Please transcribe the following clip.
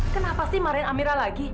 kenapa sih marin amira lagi